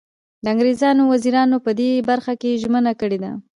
د انګریزانو وزیرانو په دې برخه کې ژمنه کړې ده.